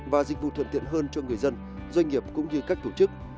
và dịch vụ thuận tiện hơn cho người dân doanh nghiệp cũng như các tổ chức